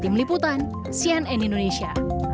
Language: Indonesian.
tim liputan sian n indonesia